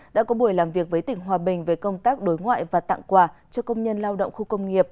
đã có buổi làm việc với tỉnh hòa bình về công tác đối ngoại và tặng quà cho công nhân lao động khu công nghiệp